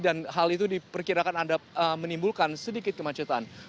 dan hal itu diperkirakan anda menimbulkan sedikit kemacetan